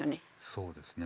そうですね。